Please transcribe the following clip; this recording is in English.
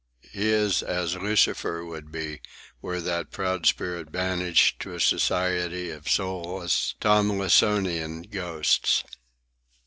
He is as Lucifer would be, were that proud spirit banished to a society of soulless, Tomlinsonian ghosts.